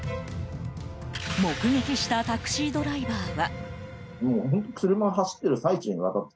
目撃したタクシードライバーは。